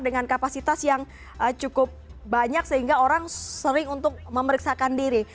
dengan kapasitas yang cukup banyak sehingga orang sering untuk memeriksakan diri